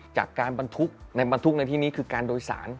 จากการบรรทุกบรรทุกในที่นี้คือการโดยสาร